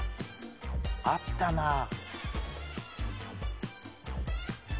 あったな。